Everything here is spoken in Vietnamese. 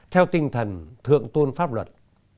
theo tinh thần thượng tôn pháp luật